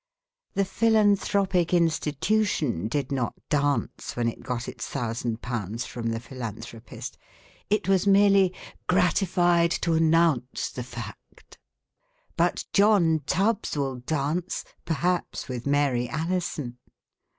The Philanthropic Institution did not dance when it got its thousand pounds from the Philanthropist. It was merely " grati fied to announce the fact." But John Tubbs will dance, perhaps with Mary Alison!